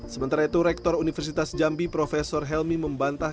sementara itu rektor universitas jambi prof helmi membantah